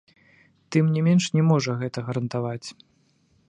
Тым не менш не мажа гэта гарантаваць.